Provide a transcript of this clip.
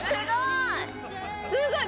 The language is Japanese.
すごい。